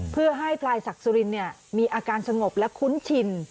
เพื่อให้พลายศักดิ์สุรินมีอาการสงบและคุ้นชิน